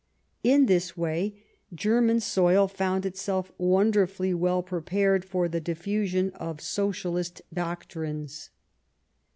In this way German soil found itself wonderfully well prepared for the diffusion of SociaHst doctrines.